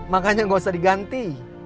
makanya nggak usah diganti